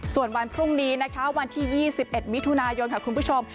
ส่วนวันพรุ่งนี้นะคะวันที่๒๑มิถุนายนค่ะคุณผู้ชม